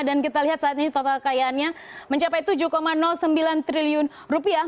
dan kita lihat saat ini total kekayaannya mencapai tujuh sembilan triliun rupiah